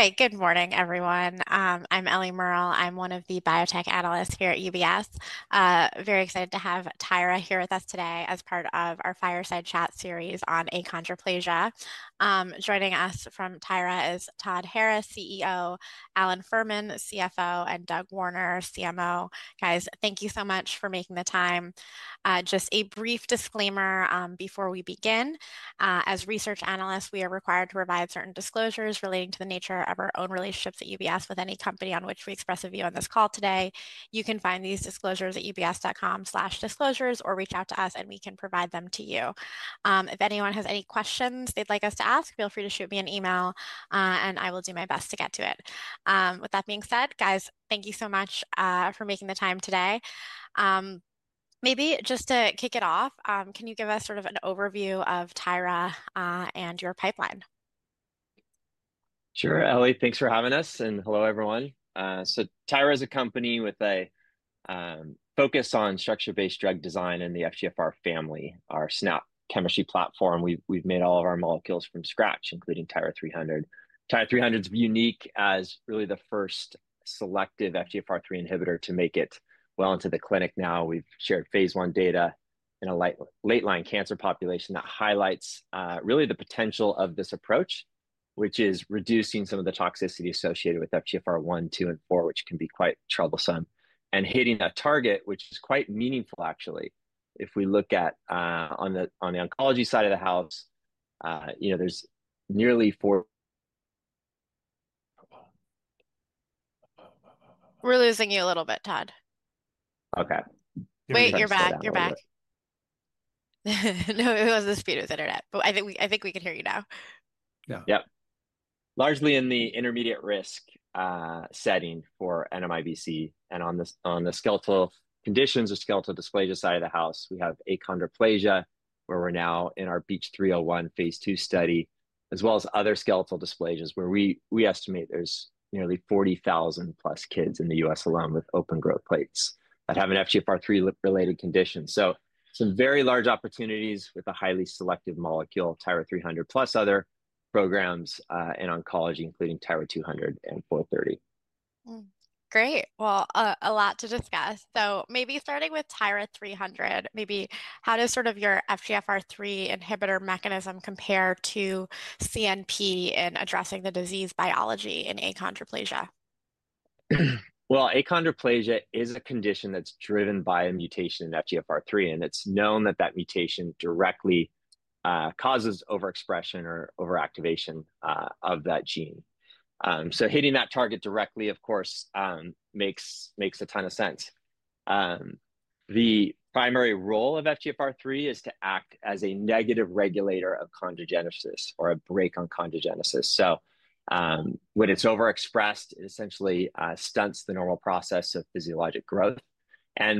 Hi, good morning everyone. I'm Ellie Merle. I'm one of the biotech analysts here at UBS. Very excited to have Tyra here with us today as part of our Fireside Chat series on achondroplasia. Joining us from Tyra is Todd Harris, CEO, Alan Fuhrman, CFO, and Doug Warner, CMO. Guys, thank you so much for making the time. Just a brief disclaimer before we begin. As research analysts, we are required to provide certain disclosures relating to the nature of our own relationships at UBS with companies on which we express a view on this call today. You can find these disclosures at ubs.com/disclosures or reach out to us and we can provide them to you. If anyone has any questions they'd like us to ask, feel free to shoot me an email and I will do my best to get to it. With that being said, guys, thank you so much for making the time today. Maybe just to kick it off, can you give us sort of an overview of Tyra and your pipeline? Sure, Ellie. Thanks for having us. Hello everyone. Tyra is a company with a focus on structure-based drug design in the FGFR family, our SNÅP chemistry platform. We've made all of our molecules from scratch, including TYRA-300. TYRA-300 is unique as really the first selective FGFR3 inhibitor to make it well into the clinic. We've shared phase one data in a late line cancer population that highlights the potential of this approach, which is reducing some of the toxicity associated with FGFR1, FGFR2, and FGFR4, which can be quite troublesome, and hitting that target, which is quite meaningful actually if we look at, on the oncology side of the house, you know, there's nearly four. We're losing you a little bit, Todd. Okay. Wait, you're back. You're back. It was the speed of the Internet, but I think we can hear you now. Yeah. Yep. Largely in the intermediate risk setting for NMIBC. On the skeletal conditions or skeletal dysplasias side of the house, we have achondroplasia where we're now in our BEACH301 Phase II study as well as other skeletal dysplasias where we estimate there's nearly 40,000+ kids in the U.S. alone with open growth plates that have an FGFR3 related condition. Some very large opportunities with a highly selective molecule, TYRA-300 plus other programs in oncology, including TYRA-204. 30. Great. A lot to discuss. Maybe starting with TYRA-300, how does your FGFR3 inhibitor mechanism compare to CNP in addressing the disease biology in achondroplasia? Achondroplasia is a condition that's driven by a mutation in FGFR3. It's known that that mutation directly causes overexpression or overactivation of that gene. Hitting that target directly, of course, makes a ton of sense. The primary role of FGFR3 is to act as a negative regulator of chondrogenesis or a brake on chondrogenesis. When it's overexpressed, it essentially stunts the normal process of physiologic growth.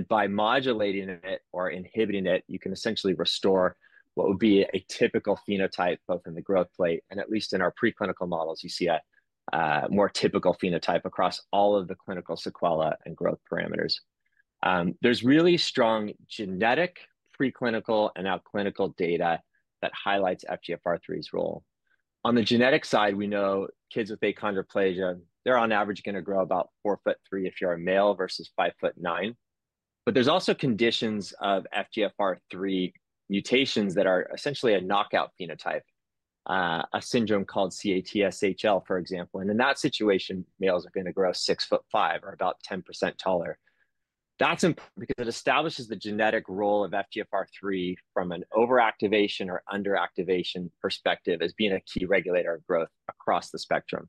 By modulating it or inhibiting it, you can essentially restore what would be a typical phenotype. Both in the growth plate and at least in our preclinical models, you see a more typical phenotype across all of the clinical sequelae and growth parameters. There's really strong genetic, preclinical, and now clinical data that highlights FGFR3's role. On the genetic side, we know kids with achondroplasia, they're on average going to grow about 4 ft 3 if you're a male versus 5 ft 9. There's also conditions of FGFR3 mutations that are essentially a knockout phenotype, a syndrome called CATSHL, for example. In that situation, males are going to grow 6 ft 5 or about 10% taller. That's because it establishes the genetic role of FGFR3 from an overactivation or underactivation perspective as being a key regulator of growth across the spectrum.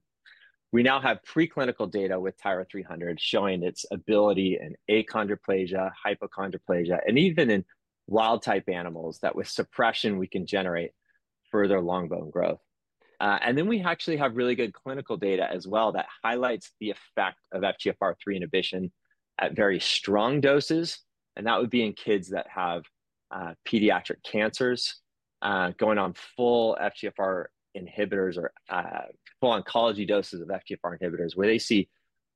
We now have preclinical data with TYRA-300 showing its ability in achondroplasia, hypochondroplasia, and even in wild type animals that with suppression we can generate further long bone growth. We actually have really good clinical data as well that highlights the effect of FGFR3 inhibition at very strong doses. That would be in kids that have pediatric cancers going on full FGFR inhibitors or full oncology doses of FGFR inhibitors, where they see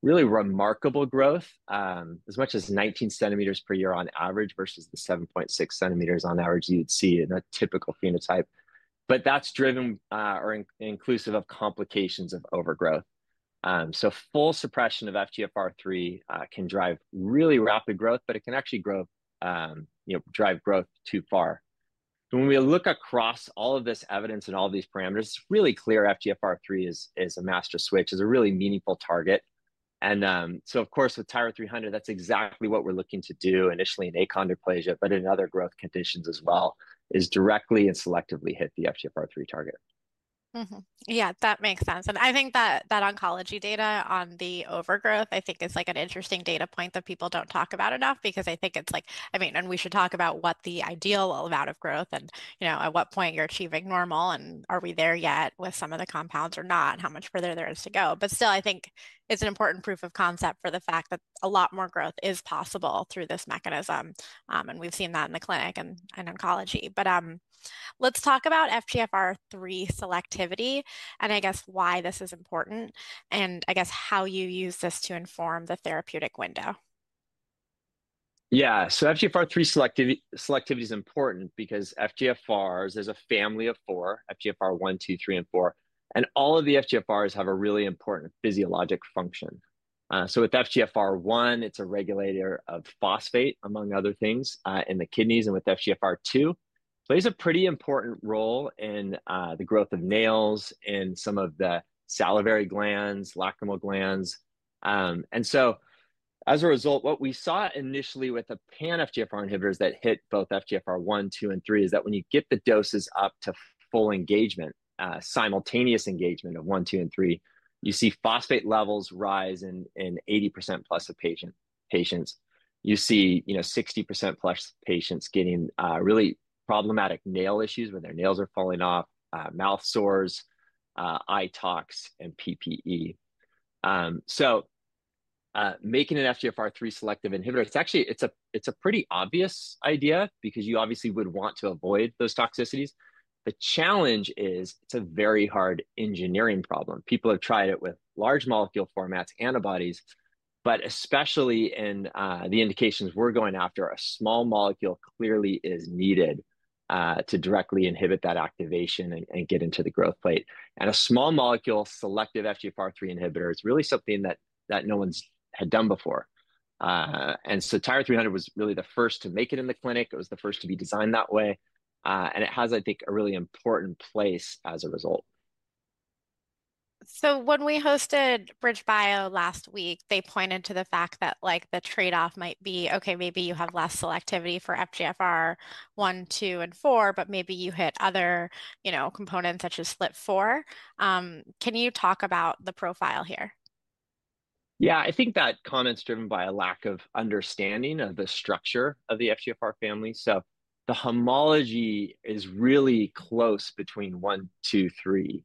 really remarkable growth, as much as 19 cm per year on average versus the 7.6 cm on average you'd see in a typical phenotype. That's driven or inclusive of complications of overgrowth. Full suppression of FGFR3 can drive really rapid growth, but it can actually drive growth too far. When we look across all of this evidence and all of these parameters, it's really clear FGFR3 is a master switch, is a really meaningful target. With TYRA-300, that's exactly what we're looking to do initially in achondroplasia, but in other growth conditions as well, is directly and selectively hit the FGFR3 target. Yeah, that makes sense. I think that oncology data on the overgrowth is an interesting data point that people don't talk about enough, because it's like, I mean, we should talk about what the growth is and at what point you're achieving normal and are we there yet with some of the compounds or not, how much further there is to go. I think it's an important proof of concept for the fact that a lot more growth is possible through this mechanism. We've seen that in the clinic in oncology. Let's talk about FGFR3 selectivity and why this is important and how you use this to inform the therapeutic window. Yeah. FGFR3 selectivity is important because FGFRs, there's a family of four, FGFR1, FGFR2, FGFR3, and FGFR4, and all of the FGFRs have a really important physiologic function. With FGFR1, it's a regulator of phosphate, among other things, in the kidneys. FGFR2 plays a pretty important role in the growth of nails and some of the salivary glands, lacrimal glands. As a result, what we saw initially with the pan-FGFR inhibitors that hit both FGFR1, FGFR2, and FGFR3 is that when you get the doses up to full engagement, simultaneous engagement of FGFR1, FGFR2, and FGFR3, you see phosphate levels rise in 80%+ of patients. You see 60%+ of patients getting really problematic nail issues where their nails are falling off, mouth sores, eye tox, and PPE. Making an FGFR3 selective inhibitor is actually a pretty obvious idea because you obviously would want to avoid those toxicities. The challenge is it's a very hard engineering problem. People have tried it with large molecule formats, antibodies, but especially in the indications we're going after, a small molecule clearly is needed to directly inhibit that activation and get into the growth plate. A small molecule selective FGFR3 inhibitor is really something that no one's had done before. TYRA-300 was really the first to make it in the clinic. It was the first to be designed that way, and it has, I think, a really important place as a result. When we hosted BridgeBio last week, they pointed to the fact that the trade-off might be, okay, maybe you have less selectivity for FGFR1, FGFR2, and FGFR4, but maybe you hit other components such as split four. Can you talk about the profile here? Yeah, I think that con is driven by a lack of understanding of the structure of the FGFR family. The homology is really close between FGFR1, FGFR2, FGFR3,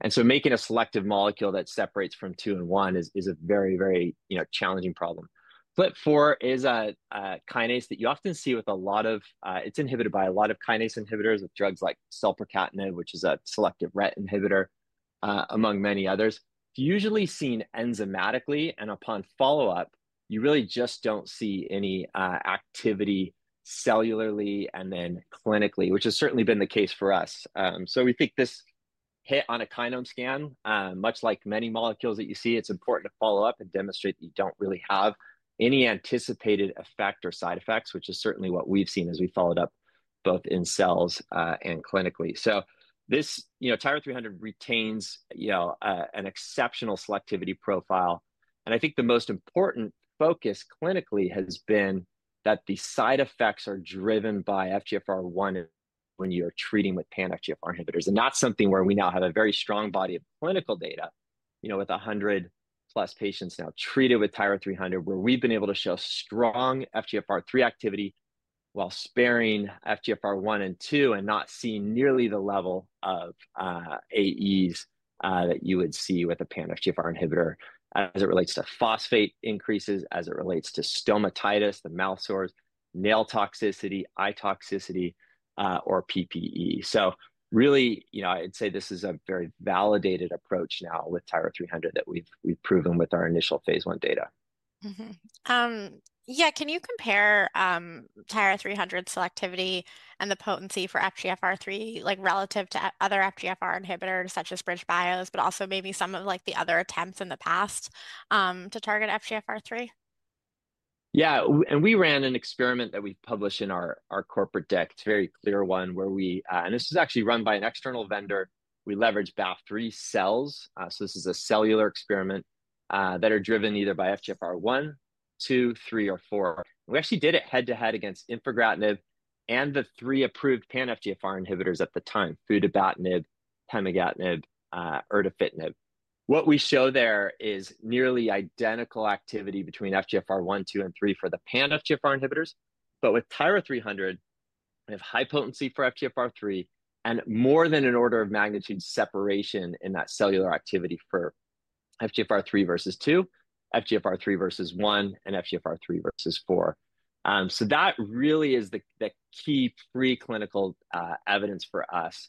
and making a selective molecule that separates from FGFR2 and FGFR1 is a very, very challenging problem. Flip 4 is a kinase that you often see with a lot of, it's inhibited by a lot of kinase inhibitors with drugs like sulfur catenin, which is a selective RET inhibitor among many others, usually seen enzymatically and upon follow up you really just don't see any activity cellularly and then clinically, which has certainly been the case for us. We think this hit on a KINOMEscan, much like many molecules that you see, it's important to follow up and demonstrate you don't really have any anticipated effect or side effects, which is certainly what we've seen as we followed up, both in cells and clinically. TYRA-300 retains an exceptional selectivity profile. I think the most important focus clinically has been that the side effects are driven by FGFR1 when you're treating with pan-FGFR inhibitors. That's something where we now have a very strong body of clinical data. With 100 plus patients now treated with TYRA-300, we've been able to show strong FGFR3 activity while sparing FGFR1 and 2 and not seeing nearly the level of AEs that you would see with a pan-FGFR inhibitor as it relates to phosphate increases, as it relates to stomatitis, the mouth sores, nail toxicity, eye toxicity, or PPE. I'd say this is a very validated approach now with TYRA-300 that we've proven with our initial phase one data. Yeah. Can you compare TYRA-300 selectivity and the potency for FGFR3 like relative to other FGFR inhibitors such as BridgeBio's, but also maybe some of like the other attempts in the past to target FGFR3? Yeah, and we ran an experiment that we published in our corporate deck. It's a very clear one where we, and this is actually run by an external vendor, we leverage BAF3 cells. This is a cellular experiment that are driven either by FGFR1, FGFR2, FGFR3, or FGFR4. We actually did it head to head against infigratinib and the three approved pan-FGFR inhibitors at the time: futibatinib, pemigatinib, Erdafitinib. What we show there is nearly identical activity between FGFR1, FGFR2, and FGFR3 for the pan-FGFR inhibitors. With TYRA-300, we have high potency for FGFR3 and more than an order of magnitude separation in that cellular activity for FGFR3 versus FGFR2, FGFR3 versus FGFR1, and FGFR3 versus FGFR4. That really is the key preclinical evidence for us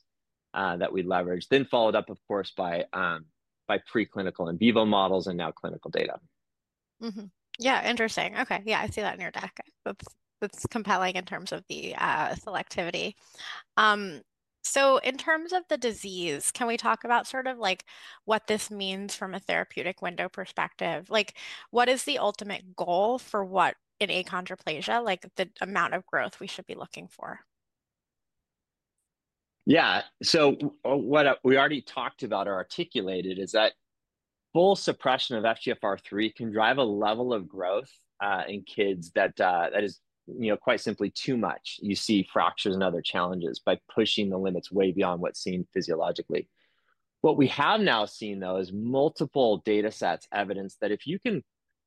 that we leverage, followed up, of course, by preclinical in vivo models and now clinical data. Yeah, interesting. Okay, yeah, I see that in your deck. That's compelling in terms of the selectivity. In terms of the disease, can we talk about what this means from a therapeutic window perspective? What is the ultimate goal for what in achondroplasia? Like the amount of growth we should be looking for? Yeah, so what we already talked about or articulated is that full suppression of FGFR3 can drive a level of growth in kids that is, you know, quite simply, too much. You see fractures and other challenges by pushing the limits way beyond what's seen physiologically. What we have now seen, though, is multiple data sets, evidence that if you can,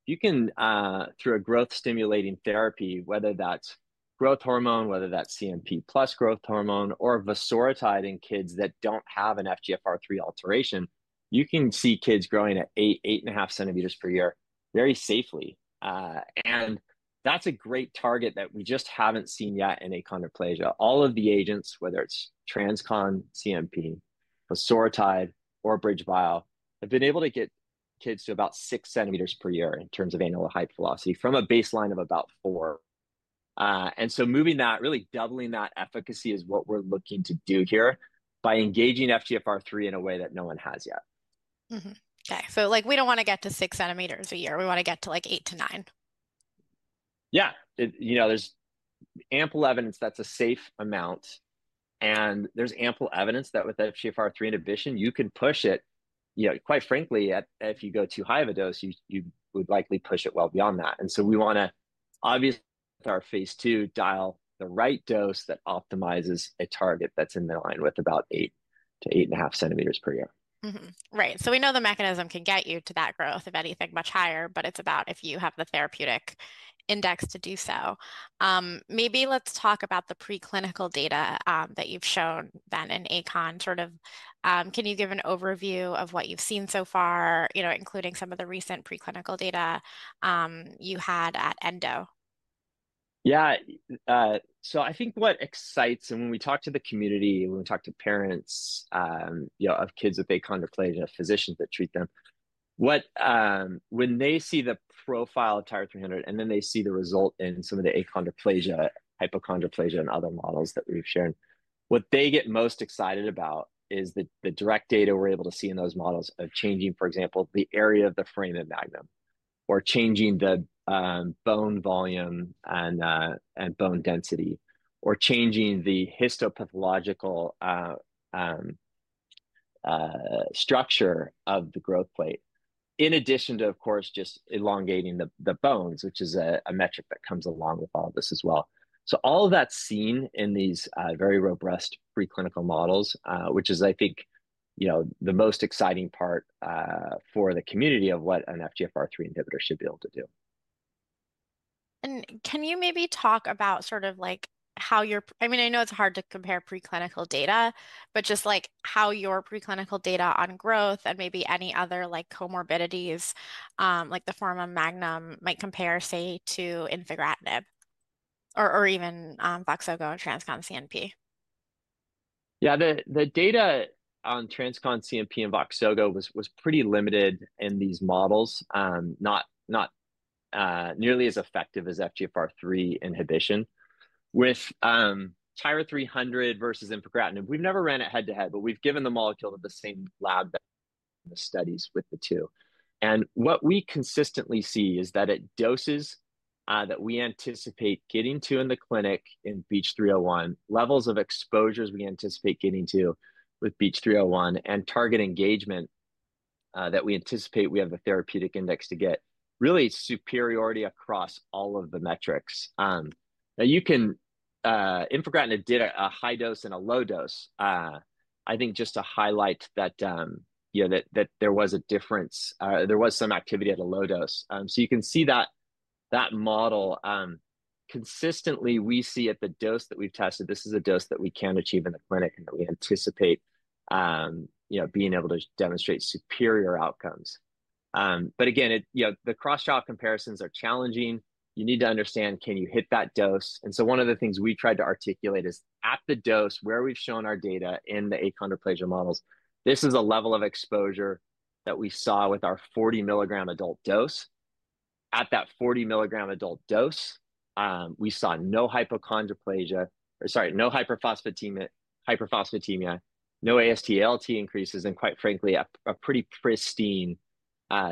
through a growth-stimulating therapy, whether that's growth hormone, whether that's CNP plus growth hormone, or Voxzogo. In kids that don't have an FGFR3 alteration, you can see kids growing at 8 cm, 8.5 cm per year very safely. That's a great target that we just haven't seen yet in achondroplasia. All of the agents, whether it's TransCon, CNP, Voxzogo, or BridgeBio, have been able to get kids to about 6 cm per year in terms of annualized height velocity from a baseline of about 4. Moving that, really doubling that efficacy, is what we're looking to do here by engaging FGFR3 in a way that no one has yet. Okay, we don't want to get to 6 cm a year. We want to get to 8-9 cm. Yeah, there's ample evidence that's a safe amount. There's ample evidence that with FGFR3 inhibition you can push it, quite frankly, at. If you go too high of a dose, you would likely push it well beyond that. We want to, obviously in our phase two, dial the right dose that optimizes a target that's in line with about 8-8.5 cm per year. Right. We know the mechanism can get you to that growth of anything much higher, but it's about if you have the therapeutic index to do so, maybe. Let's talk about the preclinical data that you've shown, Ben and Acon, sort of. Can you give an overview of what you've seen so far, including some of the recent preclinical data you had at Endo? Yeah. I think what excites, and when we talk to the community, when we talk to parents of kids with achondroplasia, physicians that treat them, when they see the profile of TYRA-300 and then they see the result in some of the achondroplasia, hypochondroplasia, and other models that we've shared, what they get most excited about is the direct data we're able to see in those models of changing, for example, the area of the foramen magnum, or changing the bone volume and bone density, or changing the histopathological structure of the growth plate, in addition to, of course, just elongating the bones, which is a metric that comes along with all this as well. All of that's seen in these very robust preclinical models, which is, I think, the most exciting part for the community of what an FGFR3 inhibitor should be able to do. Can you maybe talk about how your, I mean, I know it's hard to compare preclinical data, but just how your preclinical data on growth and maybe any other comorbidities like the foramen magnum might compare, say, to infigratinib or even Voxzogo and TransCon CNP. Yeah, the data on TransCon CNP and Voxzogo was pretty limited in these models. Not nearly as effective as FGFR3 inhibition with TYRA-300 versus infigratinib. We've never ran it head to head, but we've given the molecule in the same lab, the studies with the two. What we consistently see is that at doses that we anticipate getting to in the clinic, in BEACH301, levels of exposures we anticipate getting to with BEACH301 and target engagement that we anticipate, we have the therapeutic index to get really superiority across all of the metrics. Now, infigratinib did a high dose and a low dose. I think just to highlight that there was a difference, there was some activity at a low dose. You can see that in that model, consistently we see at the dose that we've tested, this is a dose that we can achieve in the clinic and that we anticipate being able to demonstrate superior outcomes. The cross shop comparisons are challenging. You need to understand can you hit that dose. One of the things we tried to articulate is at the dose where we've shown our data in the achondroplasia models, this is a level of exposure that we saw with our 40 mg adult dose. At that 40 mg adult dose, we saw no hyperphosphatemia, no AST, ALT increases and quite frankly a pretty pristine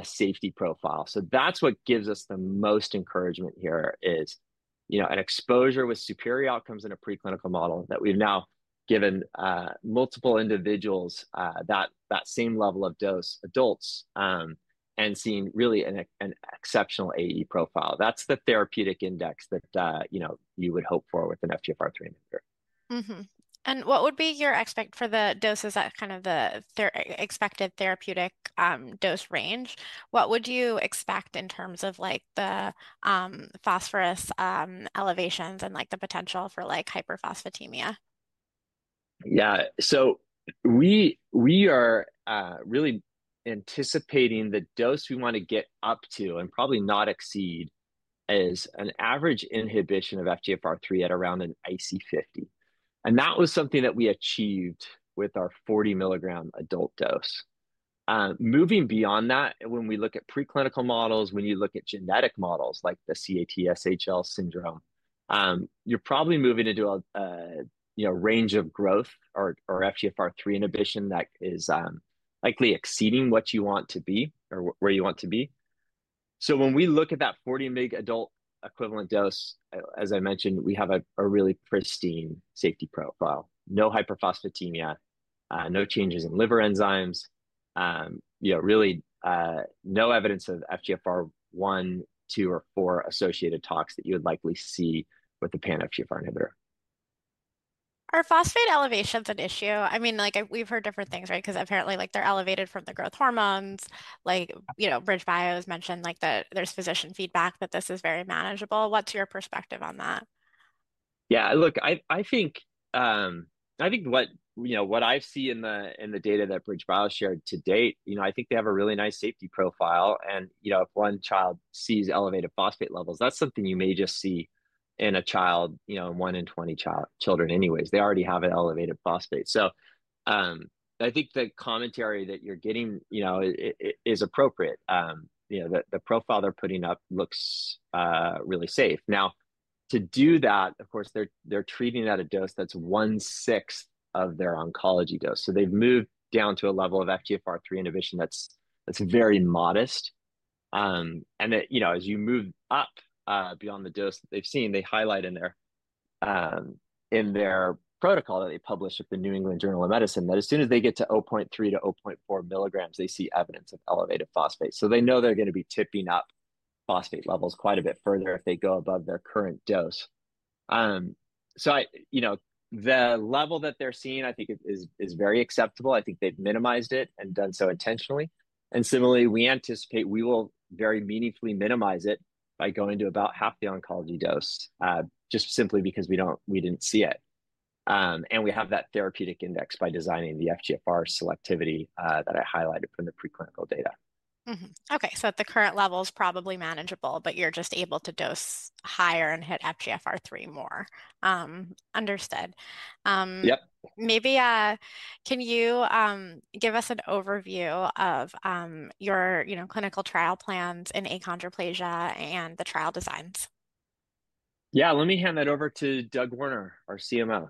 safety profile. That's what gives us the most encouragement here, an exposure with superior outcomes in a preclinical model that we've now given multiple individuals at that same level of dose, adults, and seeing really an exceptional AE profile. That's the therapeutic index that you would hope for with an FGFR3 inhibitor. What would be your expect for the doses that kind of the expected therapeutic dose range? What would you expect in terms of like the phosphorus elevations and like the potential for like hyperphosphatemia? Yeah, we are really anticipating the dose we want to get up to and probably not exceed is an average inhibition of FGFR3 at around an IC50. That was something that we achieved with our 40 mg adult dose. Moving beyond that, when we look at preclinical models, when you look at genetic models like the CATSHL syndrome, you're probably moving into a range of growth or FGFR3 inhibition that is likely exceeding what you want to be or where you want to be. When we look at that 40 mg adult equivalent dose, as I mentioned, we have a really pristine safety profile. No hyperphosphatemia, no changes in liver enzymes, really no evidence of FGFR1, 2, or 4 associated tox that you would likely see with the pan-FGFR inhibitor. Are phosphate elevations an issue? I mean, like we've heard different things, right? Because apparently, like they're elevated from the growth hormones, like, you know, BridgeBio's mentioned like that. There's physician feedback that this is very manageable. What's your perspective on that? Yeah, look, I think what I see in the data that BridgeBio shared to date, I think they have a really nice safety profile. If one child sees elevated phosphate levels, that's something you may just see in a child. One in 20 children, anyways, already have an elevated phosphate. I think the commentary that you're getting is appropriate, that the profile they're putting up looks really safe. Now to do that, of course, they're treating at a dose that's one sixth of their oncology dose. They've moved down to a level of FGFR3 inhibition that's very modest. As you move up beyond the dose they've seen, they highlight in their protocol that they publish at the New England Journal of Medicine that as soon as they get to 0.3-0.4 mg they see evidence of elevated phosphate. They know they're going to be tipping up phosphate levels quite a bit further if they go above their current dose. The level that they're seeing, I think, is very acceptable. I think they've minimized it and done so intentionally. Similarly, we anticipate we will very meaningfully minimize it by going to about half the oncology dose just simply because we didn't see it. We have that therapeutic index by designing the FGFR selectivity that I highlighted from the preclinical data. Okay, so at the current level, it's probably manageable, but you're just able to dose higher and hit FGFR3 more. Understood? Yep. Can you give us an overview of your, you know, clinical trial plans in achondroplasia and the trial designs? Yeah, let me hand that over to Doug Warner, our CMO.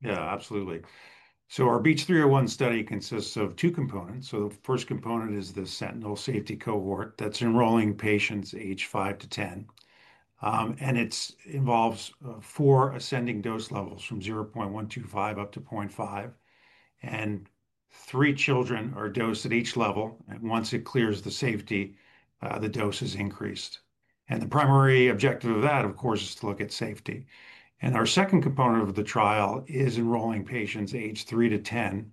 Yeah, absolutely. Our BEACH301 study consists of two components. The first component is the sentinel safety cohort that's enrolling patients age 5 to 10. It involves four ascending dose levels from 0.125 mg up to 0.5 mg. Three children are dosed at each level. Once it clears the safety, the dose is increased. The primary objective of that, of course, is to look at safety. The second component of the trial is enrolling patients age 3 to 10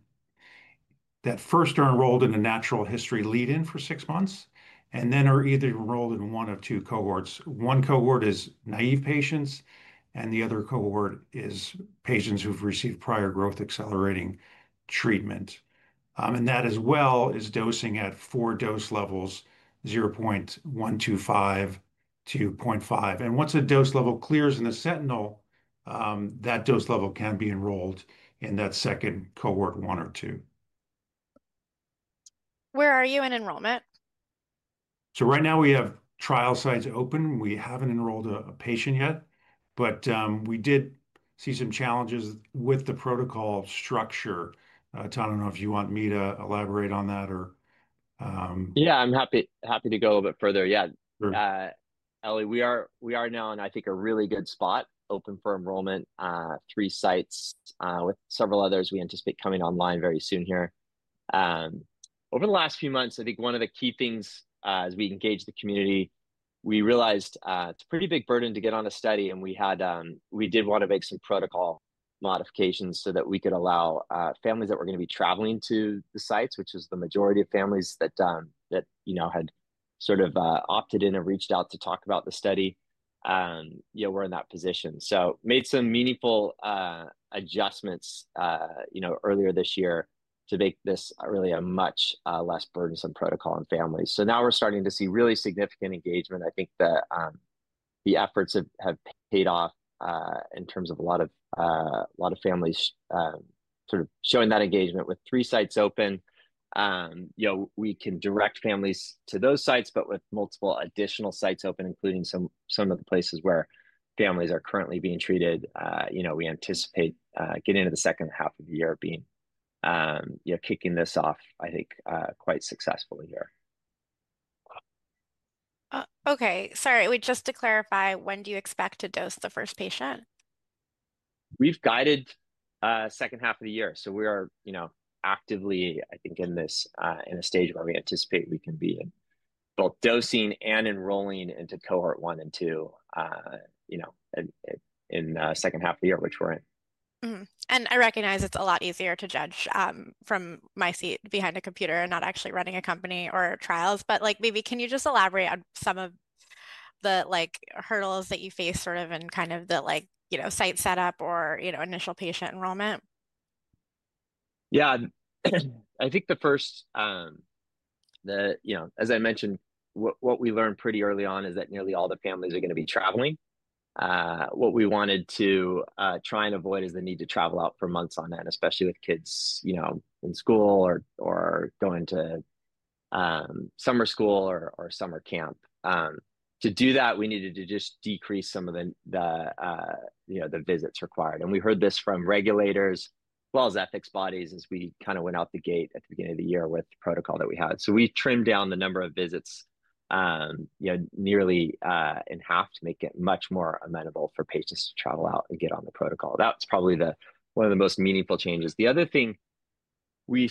that first are enrolled in a natural history lead-in for six months and then are either enrolled in one of two cohorts. One cohort is naïve patients, and the other cohort is patients who've received prior growth accelerating treatment. That as well is dosing at four dose levels, 0.125 mg to 0.5 mg. Once a dose level clears in the sentinel, that dose level can be enrolled in that second cohort, one or two. Where are you in enrollment? Right now we have trial sites open. We haven't enrolled a patient yet, but we did see some challenges with the protocol structure. Tom, I don't know if you want me to elaborate on that, or. Yeah, I'm happy to go a little bit further. Yeah. Ellie, we are now in, I think, a really good spot, open for enrollment, three sites with several others we anticipate coming online very soon here. Over the last few months, I think one of the key things, as we engage the community, we realized it's a pretty big burden to get on a study. We did want to make some protocol modifications so that we could allow families that were going to be traveling to the sites, which is the majority of families that had sort of opted in and reached out to talk about the study, were in that position. Made some meaningful adjustments earlier this year to make this really a much less burdensome protocol in families. Now we're starting to see really significant engagement. I think that the efforts have paid off in terms of a lot of families sort of showing that engagement. With three sites open, we can direct families to those sites, but with multiple additional sites open, including some of the places where families are currently being treated, we anticipate getting into the second half of the year, kicking this off, I think, quite successfully here. Okay, sorry, just to clarify, when do you expect to dose the first patient? We've guided second half of the year. We are actively, I think, in this, in a stage where we anticipate we can be both dosing and enrolling into Cohort 1 and 2 in second half of the year, which we're in. I recognize it's a lot easier to judge from my seat behind a computer and not actually running a company or trials. Maybe can you just elaborate on some of the hurdles that you face in the site setup or initial patient enrollment? Yeah, I think the first thing that, as I mentioned, what we learned pretty early on is that nearly all the families are going to be traveling. What we wanted to try and avoid is the need to travel out for months on end, especially with kids in school or going to summer school or summer camp. To do that, we needed to just decrease some of the visits required. We heard this from regulators as well as ethics bodies as we went out the gate at the beginning of the year with the protocol that we had. We trimmed down the number of visits, nearly in half, to make it much more amenable for patients to travel out and get on the protocol. That's probably one of the most meaningful changes. The other thing, we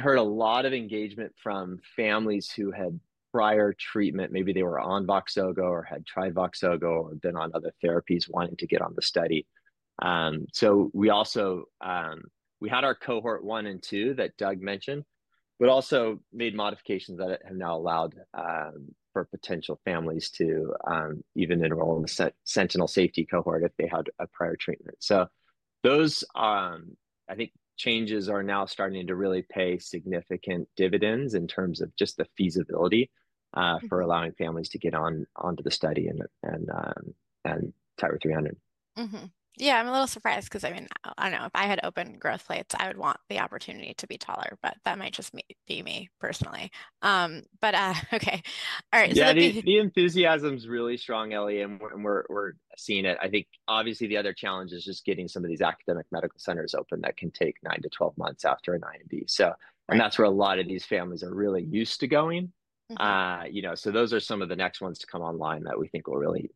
heard a lot of engagement from families who had prior treatment, maybe they were on Voxzogo or had tried Voxzogo or been on other therapies wanting to get on the study. We also had our Cohort 1 and 2 that Doug mentioned, but also made modifications that have now allowed for potential families to even enroll in the sentinel safety cohort if they had a prior treatment. I think those changes are now starting to really pay significant dividends in terms of just the feasibility for allowing families to get onto the study and TYRA-300. Yeah, I'm a little surprised because, I mean, I don't know if I had open growth plates, I would want the opportunity to be taller. That might just be me personally. Okay. All right. Yeah, the enthusiasm's really strong, Ellie. We're seeing it. I think obviously the other challenge is just getting some of these academic medical centers open that can take nine to 12 months after an IND. That's where a lot of these families are really used to going, you know, so those are some of the next ones to come online that we think will really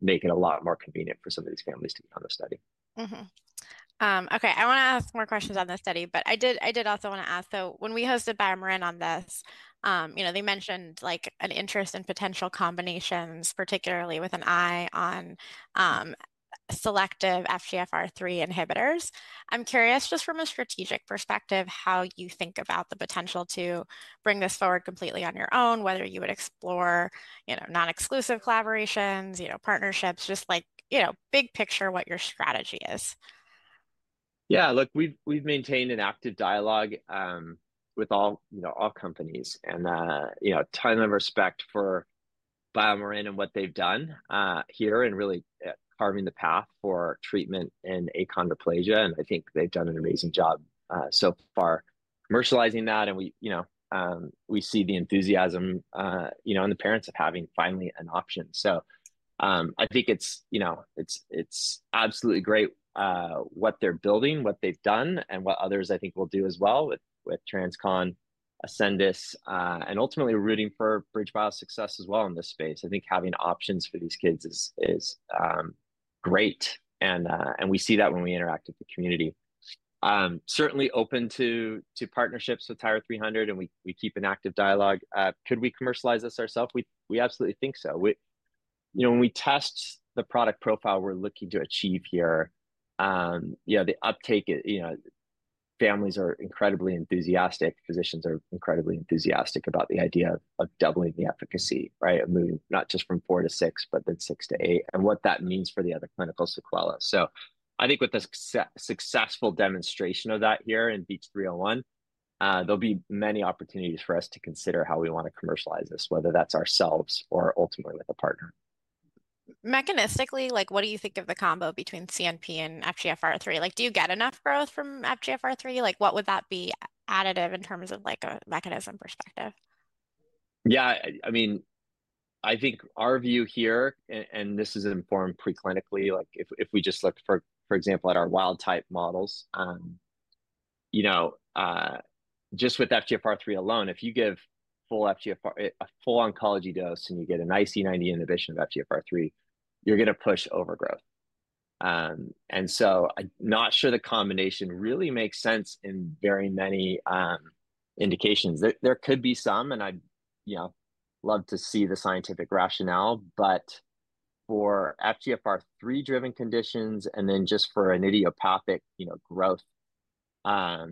make it a lot more convenient for some of these families to be on the study. Okay, I want to ask more questions on this study, but I did also want to ask. When we hosted BioMarin on this, they mentioned an interest in potential combinations, particularly with an eye on selective FGFR3 inhibitors. I'm curious just from a strategic perspective, how you think about the potential to bring this forward completely on your own. Whether you would explore non-exclusive collaborations, partnerships, just big picture, what your strategy is. Yeah, look, we've maintained an active dialogue with all companies and ton of respect for BioMarin and what they've done here in really carving the path for treatment in achondroplasia. I think they've done an amazing job so far commercializing that, and we see the enthusiasm in the parents of having finally an option. I think it's absolutely great what they're building, what they've done, and what others I think will do as well with TransCon, Ascendis, and ultimately rooting for BridgeBio success as well in this space. I think having options for these kids is great. We see that when we interact with the community, certainly open to partnerships with TYRA-300, and we keep an active dialogue. Could we commercialize this ourselves? We absolutely think so. When we test the product profile we're looking to achieve here, the uptake, families are incredibly enthusiastic. Physicians are incredibly enthusiastic about the idea of doubling the efficacy, right, of moving not just from 4 cm to 6 cm, but then 6 cm to 8 cm and what that means for the other clinical sequelae. I think with the successful demonstration of that here in BEACH301, there'll be many opportunities for us to consider how we want to commercialize this, whether that's ourselves or ultimately with a partner. Mechanistically, what do you think of the combo between CNP and FGFR3? Do you get enough growth from FGFR3? Would that be additive in terms of a mechanism perspective? Yeah, I mean, I think our view here, and this is informed preclinically, like if we just look, for example, at our wild type models, you know, just with FGFR3 alone, if you give full FGFR, a full oncology dose and you get an IC90 inhibition of FGFR3, you're going to push overgrowth. I'm not sure the combination really makes sense in very many indications. There could be some and I, you know, love to see the scientific rationale. For FGFR3-driven conditions and then just for an idiopathic, you know, growth, I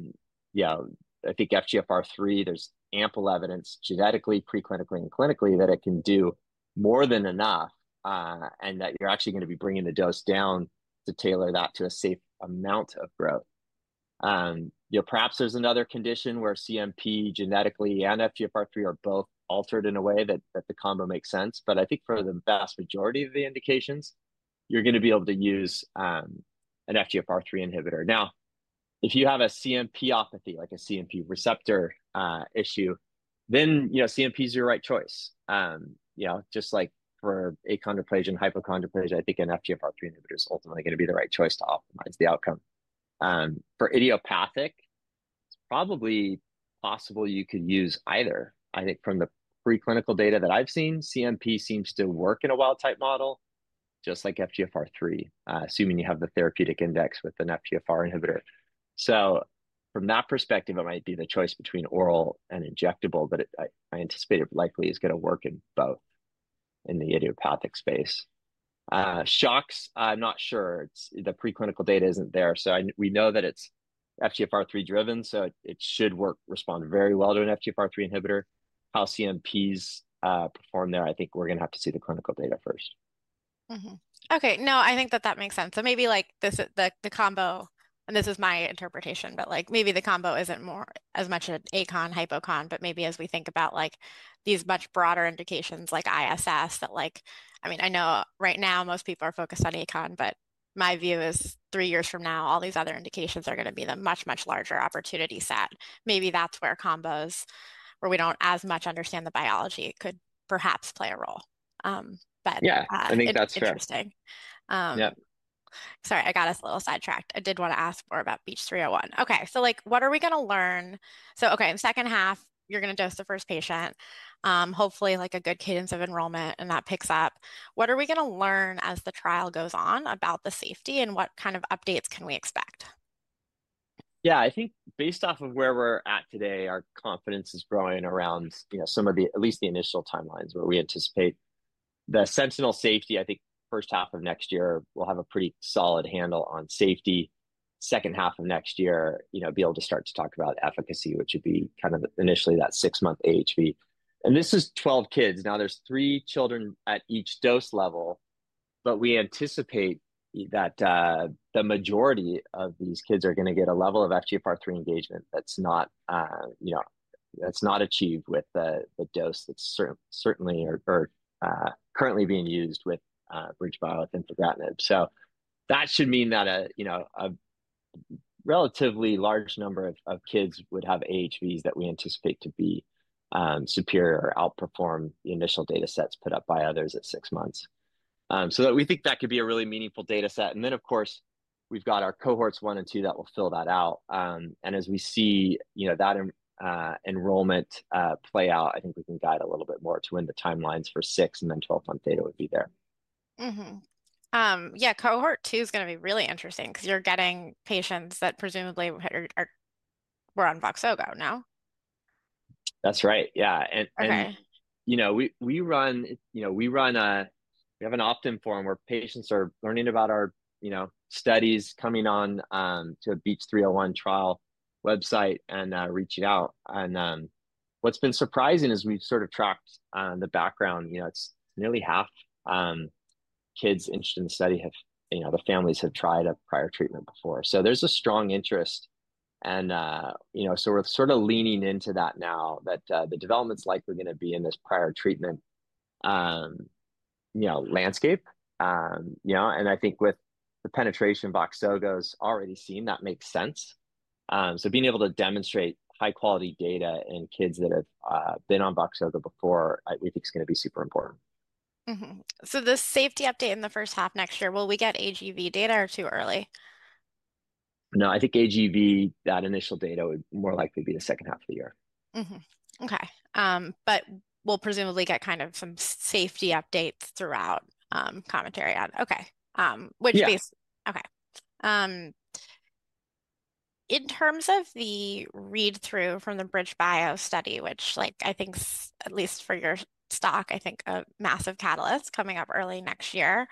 think FGFR3, there's ample evidence genetically, preclinically and clinically that it can do more than enough and that you're actually going to be bringing the dose down to tailor that to a safe amount of growth. Perhaps there's another condition where CNP genetically and FGFR3 are both altered in a way that the combo makes sense. I think for the vast majority of the indications, you're going to be able to use an FGFR3 inhibitor. Now, if you have a CNP apathy, like a CNP receptor issue, then, you know, CNP is your right choice. You know, just like for achondroplasia and hypochondroplasia, I think an FGFR3 inhibitor is ultimately going to be the right choice to optimize the outcome. For idiopathic, probably possible you could use either. I think from the preclinical data that I've seen, CNP seems to work in a wild type model, just like FGFR3, assuming you have the therapeutic index with an FGFR inhibitor. From that perspective, it might be the choice between oral and injectable. I anticipate it likely is going to work in both in the idiopathic space. Shocks, I'm not sure. The preclinical data isn't there. We know that it's FGFR3-driven, so it should work, respond very well to an FGFR3 inhibitor. LCNPs perform there. I think we're going to have to see the clinical data first. Okay. No, I think that makes sense. Maybe the combo, and this is my interpretation, but maybe the combo isn't more as much an achon hypocon, but maybe as we think about these much broader indications like ISS. I mean, I know right now most people are focused on achon, but my view is three years from now, all these other indications are going to be the much, much larger opportunity set. Maybe that's where combos, where we don't as much understand the biology, could perhaps play a role. I think that's interesting. Sorry, I got us a little sidetracked. I did want to ask more about BEACH301. What are we going to learn? In the second half, you're going to dose the first patient, hopefully a good cadence of enrollment and that picks up. What are we going to learn as the trial goes on about the safety and what kind of updates can we expect? Yeah, I think based off of where we're at today, our confidence is growing around some of the, at least the initial timelines where we anticipate the sentinel safety. I think first half of next year we'll have a pretty solid handle on safety. Second half of next year, you know, be able to start to talk about efficacy, which would be kind of initially that six month annualized height velocity. This is 12 kids now. There's three children at each dose level. We anticipate that the majority of these kids are going to get a level of FGFR3 engagement that's not achieved with the dose that certainly are currently being used with BridgeBio with infigratinib. That should mean that a relatively large number of kids would have annualized height velocities that we anticipate to be superior or outperform the initial data sets put up by others at six months. We think that could be a really meaningful data set. Of course, we've got our cohorts one and two that will fill that out. As we see that enrollment play out, I think we can guide a little bit more to when the timelines for six and then 12 month data would be there. Yeah, cohort two is going to be really interesting because you're getting patients that presumably were on Voxzogo now. That's right, yeah. Okay. We run an opt-in forum where patients are learning about our studies, coming on to a BEACH301 trial website and reaching out. What's been surprising is we've tracked the background. It's nearly half kids interested in the study have, the families have tried a prior treatment before. There's a strong interest and we're leaning into that now that the development's likely going to be in this prior treatment landscape, and I think with the penetration Voxzogo's already seen, that makes sense. Being able to demonstrate high quality data in kids that have been on Voxzogo before, we think is going to be super important. The safety update in the first half next year, will we get annualized height velocity data or too early? No, I think that initial data would more likely be the second half of the year. Okay. We'll presumably get some safety updates throughout. Commentary on, okay, which, okay. In terms of the read through from the BridgeBio study, which I think at least for your stock, I think is a massive catalyst coming up early next year.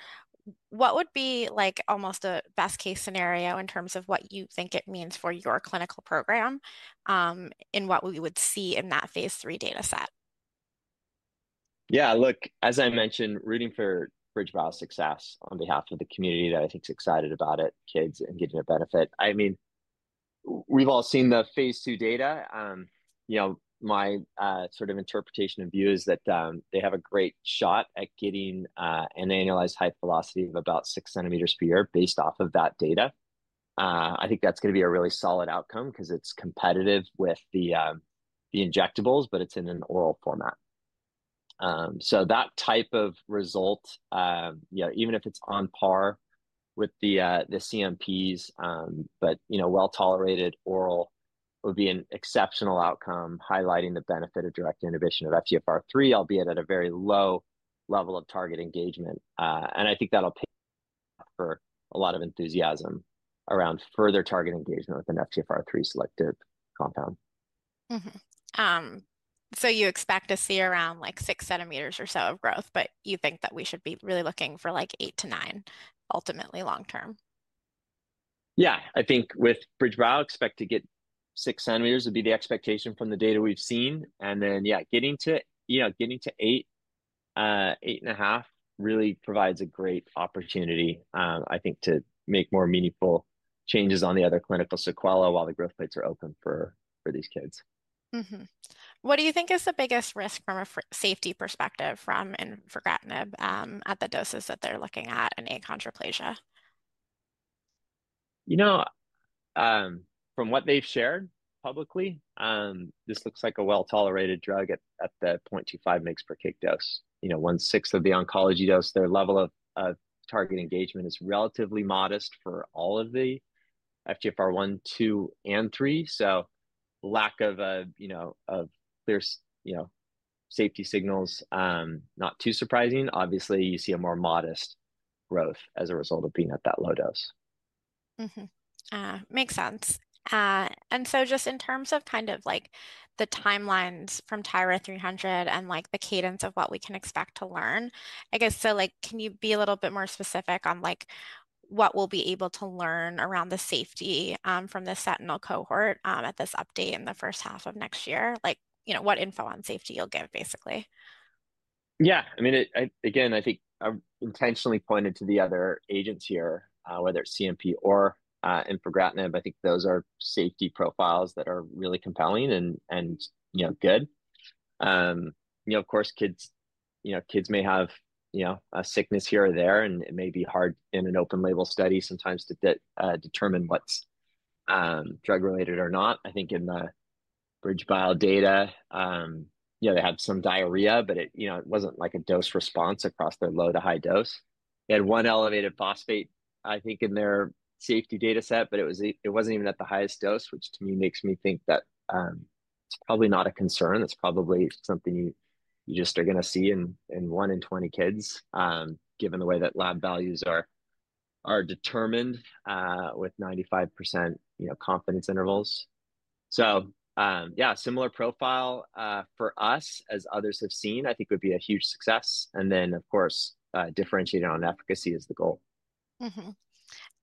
What would be almost the best case scenario in terms of what you think it means for your clinical program and what we would see in that phase 3 data set? Yeah, look, as I mentioned, rooting for BridgeBio success on behalf of the community that I think is excited about it, kids and getting a benefit. I mean we've all seen the Phase II data. You know, my sort of interpretation or view is that they have a great shot at getting an annualized height velocity of about 6 cm per year based off of that data. I think that's going to be a really solid outcome because it's competitive with the injectables, but it's in an oral format. That type of result, even if it's on par with the CNPs, but well tolerated oral, would be an exceptional outcome, highlighting the benefit of direct inhibition of FGFR3, albeit at a very low level of target engagement. I think that'll pay for a lot of enthusiasm around further target engagement with an FGFR3 selective compound. You expect to see around like 6 cm or so of growth, but you think that we should be really looking for like 8 to 9 ultimately long term? Yeah, I think with BridgeBio, expect to get 6 cm would be the expectation from the data we've seen. Yeah, getting to, you know, getting to eight, eight and a half really provides a great opportunity, I think, to make more meaningful changes on the other clinical sequela while the growth plates are open for these kids. What do you think is the biggest risk from a safety perspective from infigratinib at the doses that they're looking at in achondroplasia? From what they've shared publicly, this looks like a well-tolerated drug at the 0.25 mg per kg dose, 1/6th of the oncology dose. Their level of target engagement is relatively modest for all of the FGFR1, FGFR2, and FGFR3. Lack of clear safety signals is not too surprising. Obviously, you see a more modest growth as a result of being at that low dose. Makes sense. Just in terms of the timelines for TYRA-300 and the cadence of what we can expect to learn, can you be a little bit more specific on what we'll be able to learn around the safety from the sentinel cohort at this update in the first half of next year? What info on safety you'll get, basically? Yeah, again I think intentionally pointed to the other agents here, whether it's CNP or infigratinib, I think those are safety profiles that are really compelling and good. Of course kids may have a sickness here or there and it may be hard in an open label study sometimes to determine what's drug related or not. I think in the BridgeBio data, they had some diarrhea but it wasn't like a dose response across their low to high dose. They had one elevated phosphate I think in their safety data set, but it wasn't even at the highest dose, which to me makes me think that probably not a concern. That's probably something you just are going to see in 1 in 20 kids given the way that lab values are determined with 95% confidence intervals. Yeah, similar profile for us as others have seen I think would be a huge success. Of course differentiate on efficacy is the goal.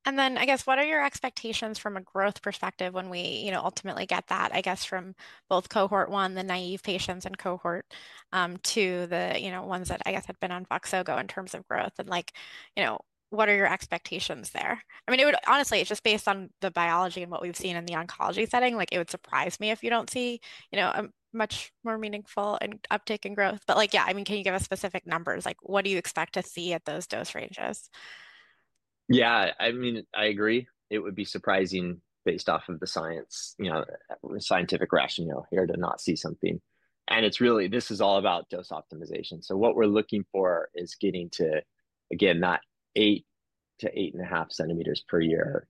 What are your expectations from a growth perspective when we ultimately get that, from both Cohort 1, the naïve patients, and Cohort 2, the ones that had been on Voxzogo, in terms of growth and what are your expectations there? Honestly, it's just based on the biology and what we've seen in the oncology setting. It would surprise me if you don't see much more meaningful and uptake in growth. Can you give us specific numbers? What do you expect to see at those dose ranges? Yeah, I mean, I agree it would be surprising based off of the science, you know, scientific rationale here to not see something. It's really, this is all about dose optimization. What we're looking for is getting to again that 8 cm to 8.5 cm per year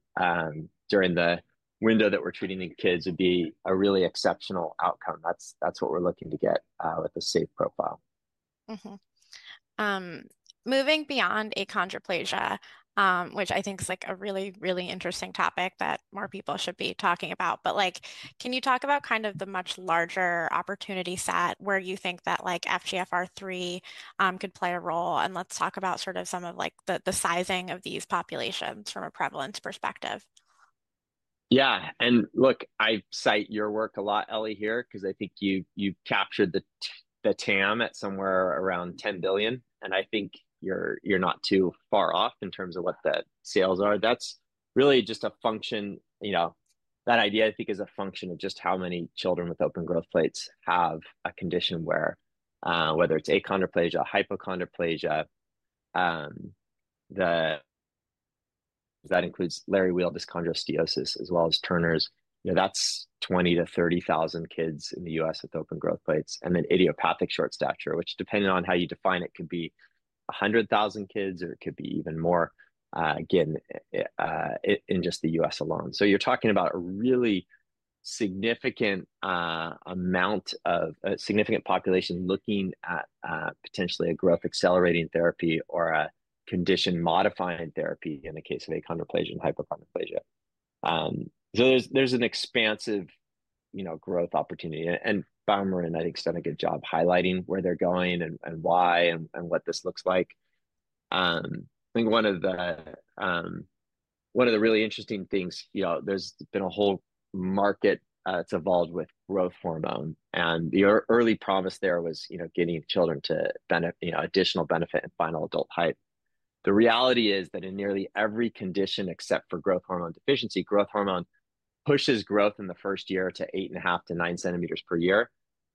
during the window that we're treating the kids would be a really exceptional outcome. That's what we're looking to get with a safe profile. Moving beyond achondroplasia, which I think is like a really, really interesting topic that more people should be talking about, can you talk about kind of the much larger opportunity set where you think that like FGFR3 could play a role? Let's talk about sort of some of like the sizing of these populations from a prevalence perspective. Yeah. I cite your work a lot, Ellie, here because I think you, you've captured the TAM at somewhere around $10 billion and I think you're not too far off in terms of what that sales are. That's really just a function, you know, that idea I think is a function of just how many children with open growth plates have a condition where whether it's achondroplasia, hypochondroplasia, that includes Leri-Weill dyschondrosteosis as well as Turner's. That's 20,000-30,000 kids in the U.S. with open growth plates and then idiopathic short stature, which depending on how you define it could be 100,000 kids or it could be even more again in just the U.S. alone. You're talking about a really significant population looking at potentially a growth accelerating therapy or a condition modifying therapy in the case of achondroplasia and hypochondroplasia. There's an expansive growth opportunity. Baumorin I think has done a good job highlighting where they're going and why and what this looks like. One of the really interesting things, there's been a whole market that's evolved with growth hormone and the early promise there was getting children to additional benefit and final adult height. The reality is that in nearly every condition except for growth hormone deficiency, growth hormone pushes growth in the first year to 8.5 cm to 9 cm per year,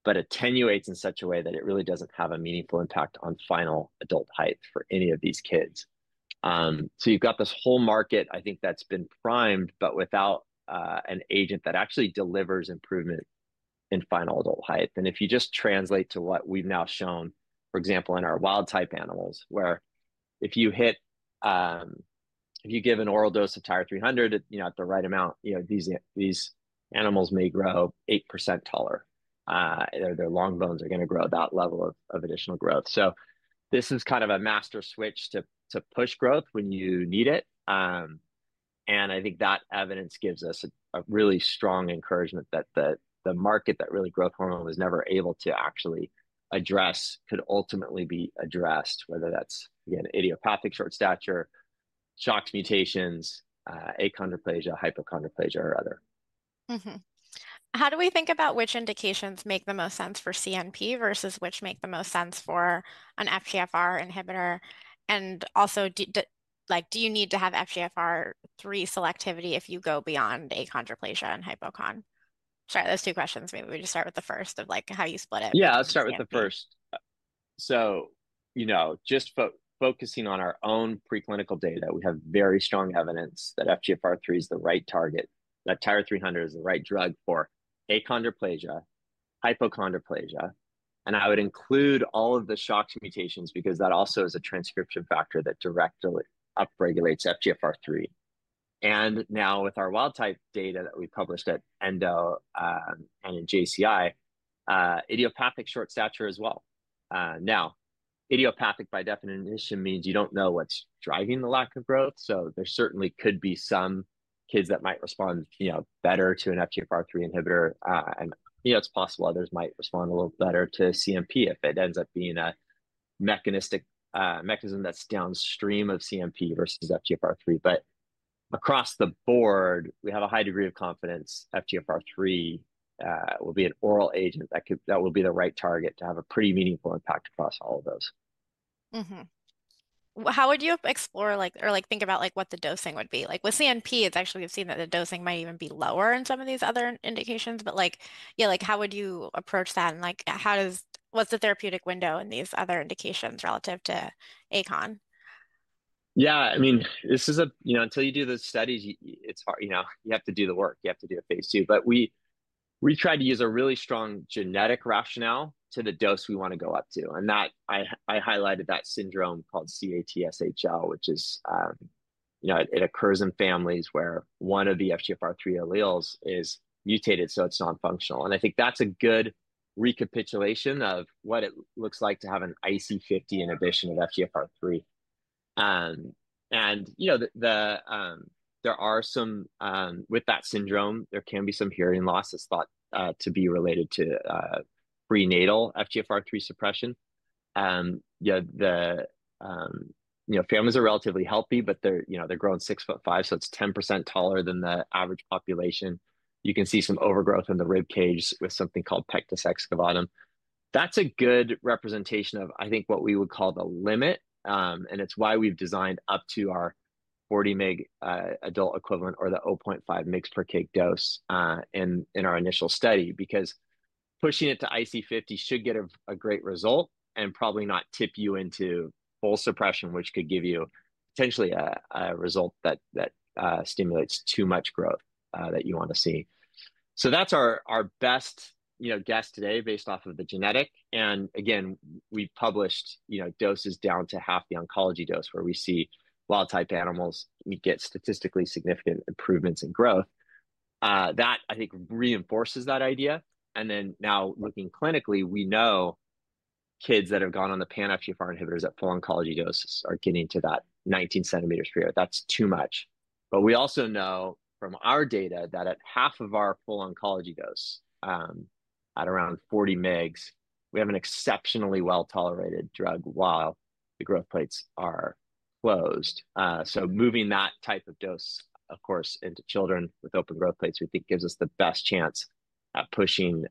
but attenuates in such a way that it really doesn't have a meaningful impact on final adult height for any of these kids. You've got this whole market, I think that's been primed, but without an agent that actually delivers improvement in final adult height. If you just translate to what we've now shown, for example in our wild type animals where if you give an oral dose of TYRA-300, you know, at the right amount, these animals may grow 8% taller, their long bones are going to grow that level of additional growth. This is kind of a master switch to push growth when you need it. I think that evidence gives us a really strong encouragement that the market that growth hormone was never able to actually address could ultimately be addressed, whether that's again, idiopathic short stature, SHOX mutations, achondroplasia, hypochondroplasia or other. How do we think about which indications make the most sense for CNP versus which make the most sense for an FGFR inhibitor? Also, do you need to have FGFR3 selectivity if you go beyond achondroplasia and hypochondroplasia? Maybe we just start with the first of how you split it. Yeah, let's start with the first. Just focusing on our own preclinical data, we have very strong evidence that FGFR3 is the right target, that TYRA-300 is the right drug for achondroplasia, hypochondroplasia, and I would include all of the SHOC2 mutations because that also is a transcription factor that directly upregulates FGFR3. Now with our wild type data that we published at ENDO and in JCI, idiopathic short stature as well. Now idiopathic by definition means you don't know what's driving the lack of growth. There certainly could be some kids that might respond better to an FGFR3 inhibitor, and it's possible others might respond a little better to CNP if it ends up being a mechanistic mechanism that's downstream of CNP versus FGFR3. Across the board we have a high degree of confidence FGFR3 will be an oral agent that could, that will be the right target to have a pretty meaningful impact across all of those. How would you explore or think about what the dosing would be with CNP? We've seen that the dosing might even be lower in some of these other indications. How would you approach that, and how does, what's the therapeutic window in these other indications relative to achondroplasia? Yeah, I mean this is a, you know, until you do those studies it's hard. You have to do the work, you have to do a phase two. We tried to use a really strong genetic rationale to the dose we want to go up to and I highlighted that syndrome called CATSHL, which occurs in families where one of the FGFR3 alleles is mutated, so it's nonfunctional. I think that's a good recapitulation of what it looks like to have an IC50 inhibition of FGFR3. With that syndrome, there can be some hearing loss that's thought to be related to prenatal FGFR3 suppression. The families are relatively healthy but they're growing 6 ft 5, so it's 10% taller than the average population. You can see some overgrowth in the rib cage with something called pectus excavatum. That's a good representation of what we would call the limit. It's why we've designed up to our 40 mg adult equivalent or the 0.5 mg per kg dose in our initial study because pushing it to IC50 should get a great result and probably not tip you into full suppression, which could give you potentially a result that stimulates too much growth that you want to see. That's our best guess today based off of the genetic. We published doses down to half the oncology dose where we see wild type animals get statistically significant improvements in growth that I think reinforces that idea. Now looking clinically, we know kids that have gone on the pan-FGFR inhibitors at full oncology dose are getting to that 19 cm per year. That's too much. We also know from our data that at half of our full oncology dose at around 40 mg, we have an exceptionally well tolerated drug while the growth plates are closed. Moving that type of dose into children with open growth plates we think gives us the best chance at pushing,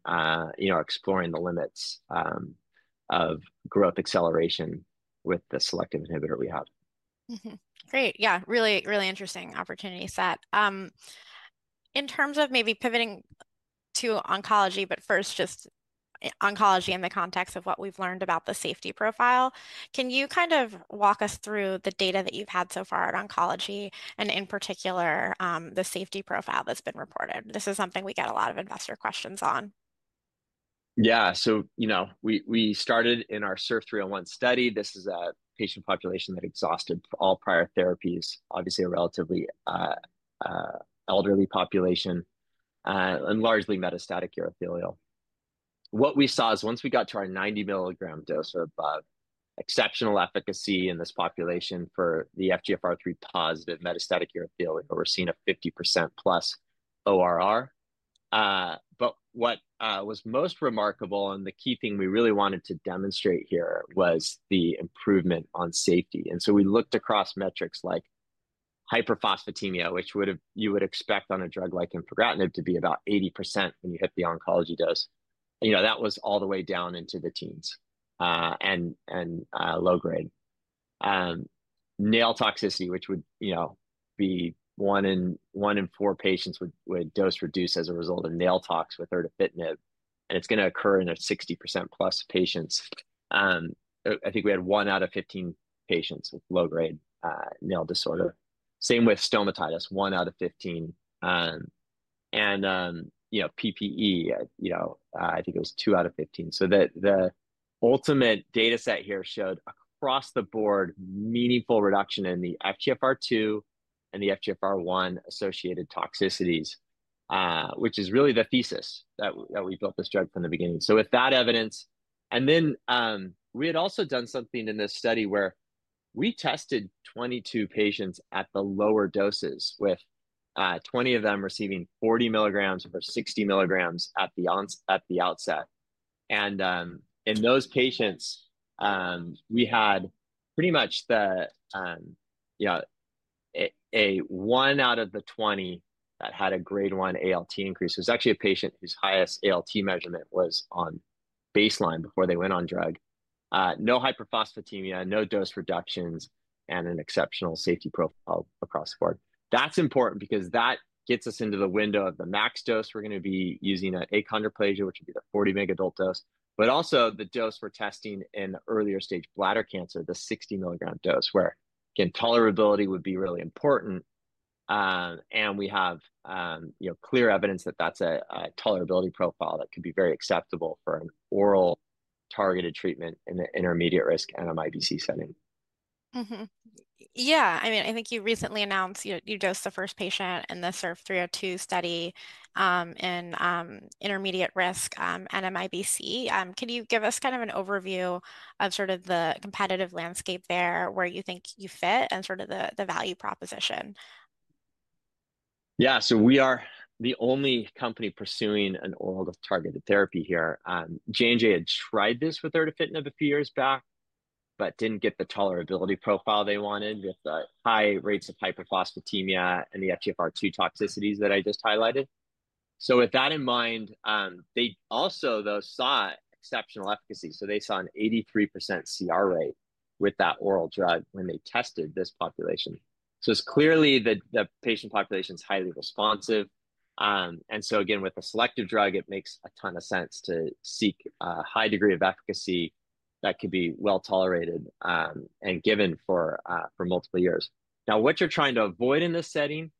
exploring the limits of growth acceleration with the selective inhibitor we have. Great, yeah, really, really interesting opportunity set in terms of maybe pivoting to oncology. First, just oncology in the context of what we've learned about the safety profile. Can you kind of walk us through the data that you've had so far at oncology and in particular the safety profile that's been reported? This is something we get a lot of investor questions on. Yeah, so, you know, we started in our SIRF-302 study. This is a patient population that exhausted all prior therapies, obviously a relatively elderly population and largely metastatic urothelial. What we saw is once we got to our 90 mg dose or above, exceptional efficacy in this population for the FGFR3 positive metastatic urothelium. We're seeing a 50%+ ORR. What was most remarkable and the key thing we really wanted to demonstrate here was the improvement on safety. We looked across metrics like hyperphosphatemia, which you would expect on a drug like infigratinib to be about 80% when you hit the oncology dose. That was all the way down into the teens. Low grade nail toxicity, which would be one in four patients would dose reduce as a result of nail tox with Erdafitinib, and it's going to occur in 60%+ patients. I think we had 1 out of 15 patients with low grade nail disorder, same with stomatitis, 1 out of 15 patients. PPE, I think it was 2 out of 15 patients. The ultimate data set here showed across the board meaningful reduction in the FGFR2 and the FGFR1 associated toxicities, which is really the thesis that we built this drug from the beginning. With that evidence, we had also done something in this study where we tested 22 patients at the lower doses, with 20 of them receiving 40 mg or 60 mg at the outset. In those patients, we had pretty much the, you know, 1 out of the 20 that had a grade 1 ALT increase was actually a patient whose highest ALT measurement was on baseline before they went on drug. No hyperphosphatemia, no dose reductions, and an exceptional safety profile across the board. That's important because that gets us into the window of the max dose we're going to be using in achondroplasia, which would be the 40 mg adult dose, but also the dose for testing in earlier stage bladder cancer, the 60 mg dose, where again, tolerability would be really important. We have clear evidence that that's a tolerability profile that could be very acceptable for an oral targeted treatment in the intermediate risk NMIBC setting. Yeah, I mean, I think you recently announced you dosed the first patient in the SIRF-302 study in intermediate risk NMIBC. Can you give us kind of an overview of sort of the competitive landscape there, where you think you fit, and sort of the value proposition? Yeah. We are the only company pursuing an oral targeted therapy here. JJ had tried this with Erdafitinib a few years back, but didn't get the tolerability profile they wanted with the high rates of hypophosphatemia and the FGFR2 toxicities that I just highlighted. With that in mind, they also saw exceptional efficacy. They saw an 83% CR rate with that oral drug when they tested this population. It's clear that the patient population is highly responsive. With the selective drug, it makes a ton of sense to seek a high degree of efficacy that could be well tolerated and given for multiple years. What you're trying to avoid in this setting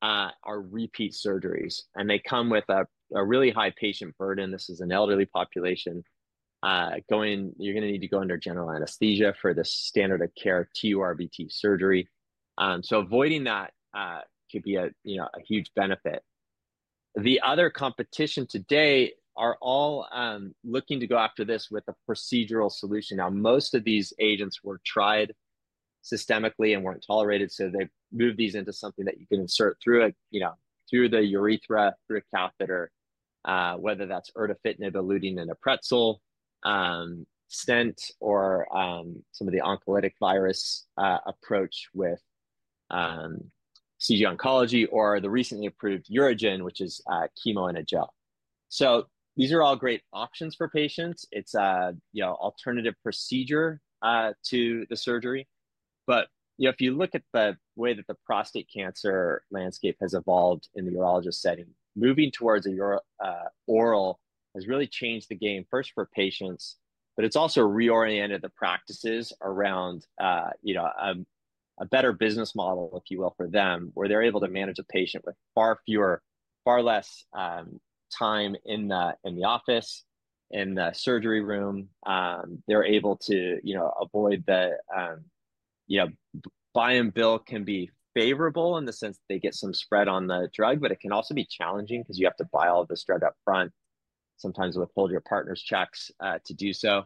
are repeat surgeries, and they come with a really high patient burden. This is an elderly population; you're going to need to go under general anesthesia for the standard of care TURBT surgery. Avoiding that could be a huge benefit. The other competition today are all looking to go after this with a procedural solution. Most of these agents were tried systemically and weren't tolerated, so they moved these into something that you can insert through the urethra, through a catheter, whether that's Erdafitinib eluting in a pretzel stent, or some of the oncolytic virus approach with CG Oncology, or the recently approved UroGen, which is chemo in a gel. These are all great options for patients. It's an alternative procedure to the surgery. If you look at the way that the prostate cancer landscape has evolved in the urologist setting, moving towards an oral has really changed the game first for patients, but it's also reoriented the practices around a better business model, if you will, for them, where they're able to manage a patient with far less time in the office, in the surgery room. They're able to avoid the, you know, buy and bill can be favorable in the sense they get some spread on the drug. It can also be challenging because you have to buy all this drug up front, sometimes withhold your partner's checks to do so.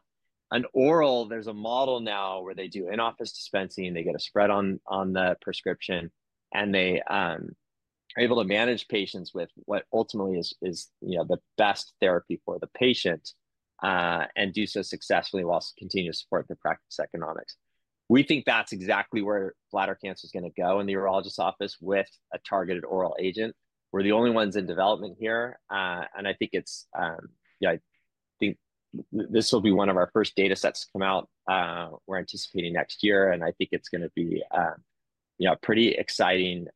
An oral, there's a model now where they do in-office dispensing, they get a spread on the prescription, and they are able to manage patients with what ultimately is the best therapy for the patient and do so successfully while continuing to support the practice economics. We think that's exactly where bladder cancer is going to go in the urologist's office with a targeted oral agent. We're the only ones in development here, and I think this will be one of our first data sets to come out. We're anticipating next year, and I think it's going to be a pretty exciting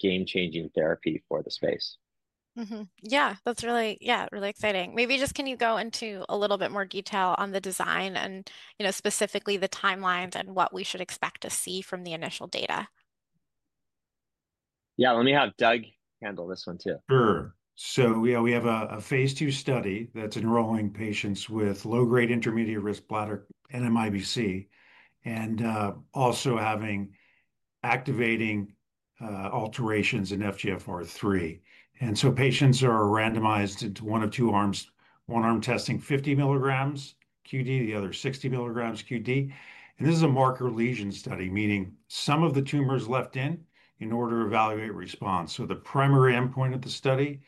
game-changing therapy for the space. Yeah, that's really, yeah, really exciting. Maybe just can you go into a little bit more detail on the design and, you know, specifically the timelines and what we should expect to see from the initial data? Yeah, let me have Doug handle this one too. Sure. So yeah, we have a Phase II study that's enrolling patients with low grade intermediate risk bladder NMIBC and also having activating alterations in FGFR3. Patients are randomized into one of two arms, one arm testing 50 mg QD, the other 60 mg QD. This is a marker lesion study, meaning some of the tumors are left in, in order to evaluate response. The primary endpoint of the study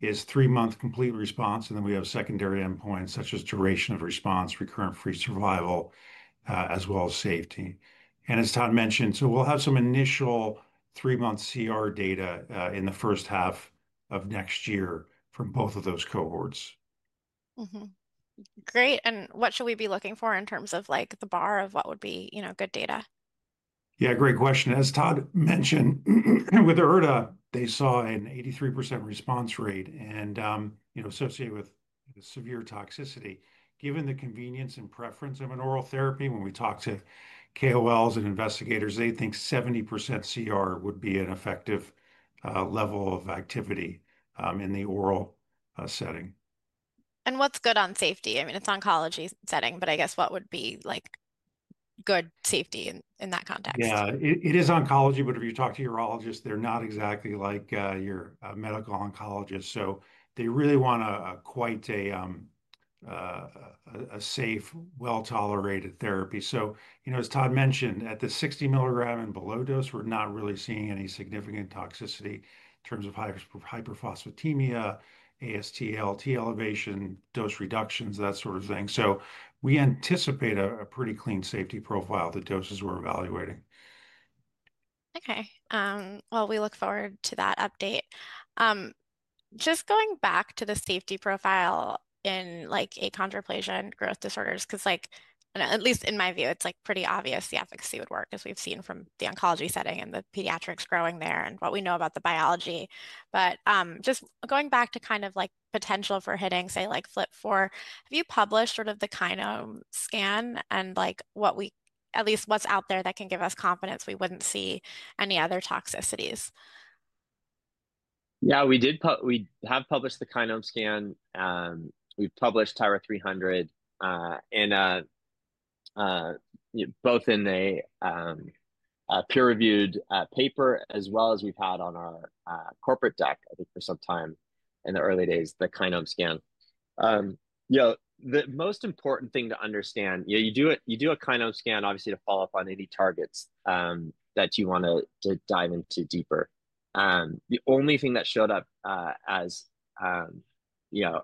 is 3 month complete response, and we have secondary endpoints such as duration of response, recurrence free survival, as well as safety. As Todd mentioned, we'll have some initial 3 month CR data in the first half of next year from both of those cohorts. Great. What should we be looking for in terms of the bar of what would be, you know, good data? Yeah, great question. As Todd mentioned with Erda, they saw an 83% response rate, and you know, associated with severe toxicity. Given the convenience and preference of an oral therapy, when we talk to KOLs and investigators, they think 70% CR would be an effective level of activity in the oral setting. What's good on safety? I mean it's oncology setting, but I guess what would be like good safety in that context? Yeah, it is oncology, but if you talk to urologists, they're not exactly like your medical oncologist. They really want quite a safe, well-tolerated therapy. As Todd mentioned, at the 60 mg and below dose, we're not really seeing any significant toxicity in terms of hyperphosphatemia, AST, ALT elevation, dose reductions, that sort of thing. We anticipate a pretty clean safety profile at the doses we're evaluating. Okay, we look forward to that update. Just going back to the safety profile in achondroplasia and growth disorders, because at least in my view it's pretty obvious the efficacy would work as we've seen from the oncology setting and the pediatrics growing there and what we know about the biology. Just going back to kind of like potential for hitting, say, FGFR4, you published sort of the KINOMEscan and what we, at least what's out there, that can give us confidence we wouldn't see any other toxicities. Yeah, we have published the KINOMEscan, we published TYRA-300 both in a peer-reviewed paper as well as we've had on our corporate deck. I think for some time in the early days. The KINOMEscan, you know, the most important thing to understand, you know, you do it, you do a KINOMEscan obviously to follow up on any targets that you want to dive into deeper. The only thing that showed up as, you know,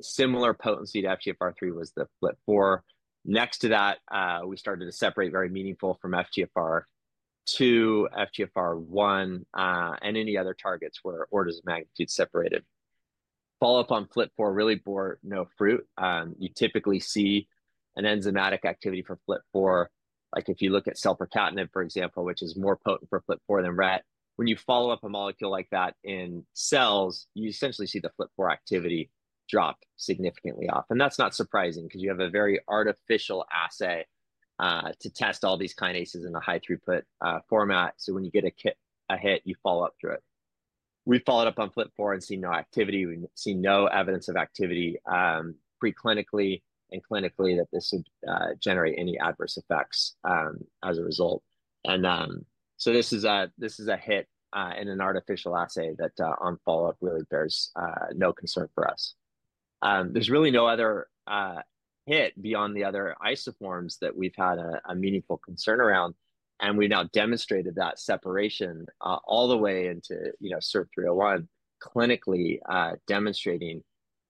similar potency to FGFR3 was FLT4. Next to that we started to separate very meaningfully from FGFR2, FGFR1, and any other targets where orders of magnitude separated. Follow up on FLT4 really bore no fruit. You typically see an enzymatic activity for FLT4, like if you look at sulfatinib for example, which is more potent for FLT4 than RET, when you follow up a molecule like that in cells, you essentially see the FLT4 activity drop significantly off. That's not surprising because you have a very artificial assay to test all these kinases in a high throughput format. When you get a hit, you follow up through it. We followed up on FLT4 and see no activity. We see no evidence of activity preclinically and clinically that this would generate any adverse effects as a result. This is a hit in an artificial assay that on follow up really bears no concern for us. There's really no other hit beyond the other isoforms that we've had a meaningful concern around. We now demonstrated that separation all the way into SIRF-302 clinically, demonstrating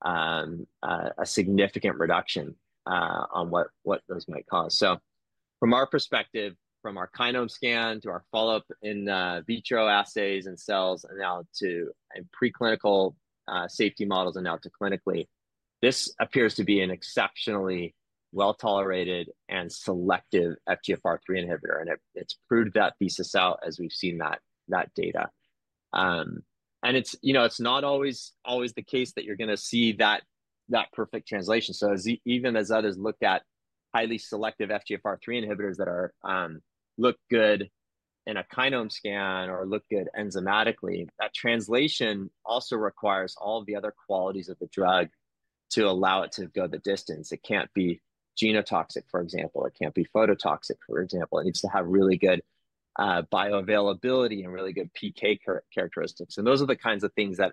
a significant reduction on what those might cause. From our perspective, from our KINOMEscan, to our follow up in vitro assays and cells, and now to preclinical safety models and now to clinically, this appears to be an exceptionally well tolerated and selective FGFR3 inhibitor. It's proved that thesis out as we've seen that data and it's not always the case that you're going to see that perfect translation. Even as others look at highly selective FGFR3 inhibitors that look good in a KINOMEscan or look good enzymatically, that translation also requires all the other qualities of the drug to allow it to go the distance. It can't be genotoxic, for example. It can't be phototoxic, for example. It needs to have really good bioavailability and really good PK characteristics. Those are the kinds of things that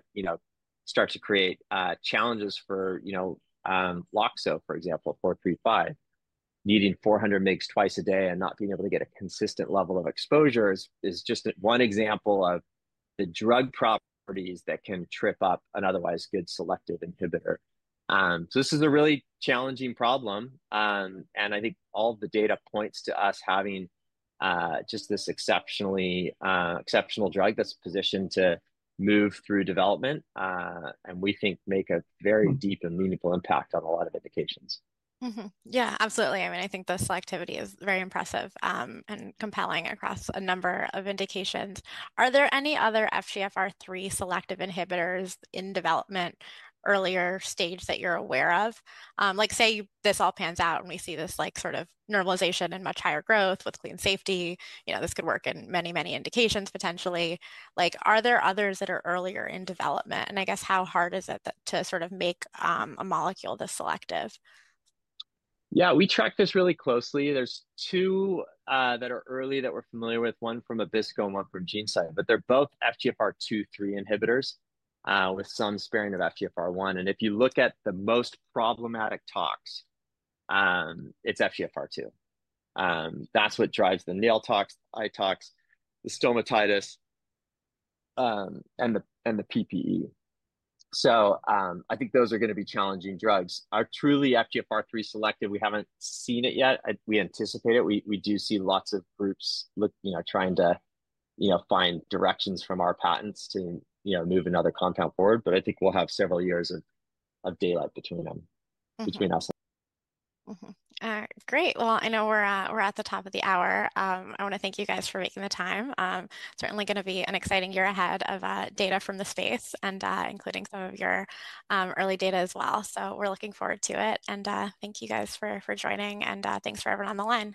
start to create challenges. For Loxo, for example, 435 needing 400 mg twice a day and not being able to get a consistent level of exposure is just one example of the drug properties, properties that can trip up an otherwise good selective inhibitor. This is a really challenging problem. I think all the data points to us having just this exceptionally exceptional drug that's positioned to move through development, and we think make a very deep and meaningful impact on a lot of indications. Yeah, absolutely. I think the selectivity is very impressive and compelling across a number of indications. Are there any other FGFR3 selective inhibitors in development, earlier stage that you're aware of? Like, say this all pans out and we see this sort of normalization and much higher growth with clean safety? This could work in many, many indications potentially. Are there others that are earlier in development? I guess how hard is it to sort of make a molecule this selective? Yeah, we track this really closely. There's two that are early that we're familiar with, one from Abbisko and one from GeneSight, but they're both FGFR2, FGFR3 inhibitors with some sparing of FGFR1. If you look at the most problematic tox, it's FGFR2. That's what drives the nail tox, eye tox, the stomatitis and the PPE. I think those are going to be challenging drugs. A truly FGFR3 selective, we haven't seen it yet. We anticipate it. We do see lots of groups trying to find directions from our patents to move another compound forward. I think we'll have several years of daylight between them, between us. Great. I know we're at the top of the hour. I want to thank you guys for making the time. Certainly going to be an exciting year ahead of data from the space, including some of your early data as well. We're looking forward to it. Thank you guys for joining and thanks for everyone on the line.